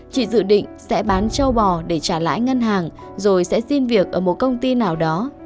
chị dự định sẽ bán châu bò để trả lãi ngân hàng rồi sẽ xin việc ở một công ty nào đó